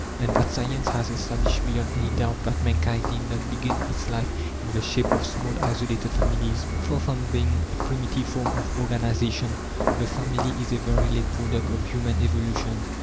And that science has established beyond any doubt that mankind did not begin its life in the shape of small isolated families. Far from being a primitive form of organization, the family is a very late product of human evolution.